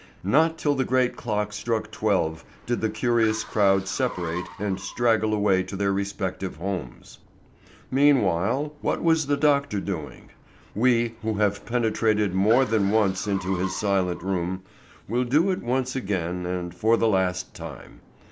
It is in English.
Not till the great clock struck twelve did the curious crowd separate and straggle away to their respective homes. Meanwhile what was the doctor doing? We, who have penetrated more than once into his silent room, will do it once again and for the last time.